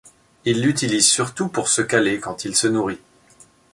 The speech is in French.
Il l'utilise surtout pour se caler quand il se nourrit.